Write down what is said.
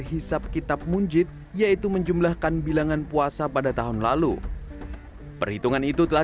hisap kitab munjid yaitu menjumlahkan bilangan puasa pada tahun lalu perhitungan itu telah